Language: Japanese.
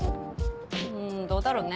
うんどうだろうね。